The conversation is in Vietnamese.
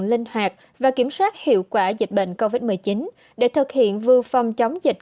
linh hoạt và kiểm soát hiệu quả dịch bệnh covid một mươi chín để thực hiện vừa phòng chống dịch